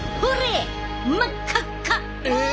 え！？